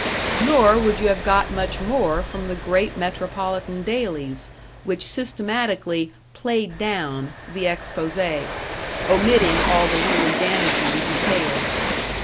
Nor would you have got much more from the great metropolitan dailies, which systematically "played down" the expose, omitting all the really damaging details.